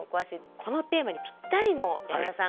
このテーマにピッタリの山田さん